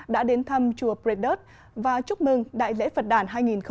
đã đến thăm chùa predurt và chúc mừng đại lễ phật đàn hai nghìn một mươi chín